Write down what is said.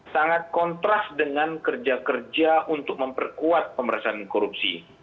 sangat kontras dengan kerja kerja untuk memperkuat pemerintahan korupsi